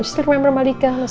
kamu masih ingat malika kan